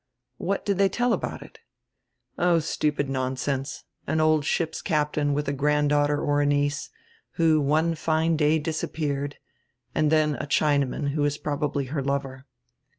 "What did tiiey tell about it?" "Oh, stupid nonsense. An old ship's captain with a granddaughter or a niece, who one fine day disappeared, and dien a Chinaman, who was probably her lover.